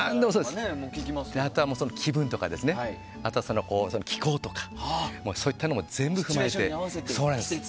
あとは、気分とか気候とかそういったのも全部踏まえて。